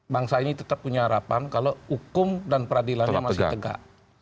bangsa ini tetap punya harapan kalau hukum dan peradilannya masih tegak